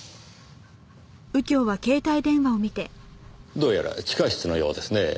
どうやら地下室のようですねぇ。